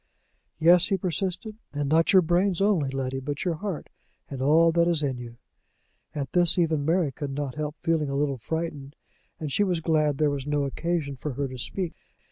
"Yes," he persisted; "and not your brains only, Letty, but your heart, and all that is in you." At this even Mary could not help feeling a little frightened; and she was glad there was no occasion for her to speak.